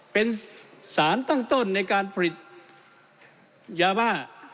เป็นสารตั้งต้นในการผลิตยาบ้า